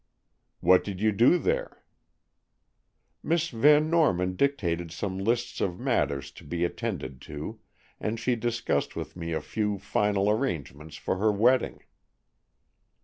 "What did you do there?" "Miss Van Norman dictated some lists of matters to be attended to, and she discussed with me a few final arrangements for her wedding."